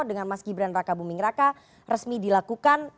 dengan mas gibran raka buming raka resmi dilakukan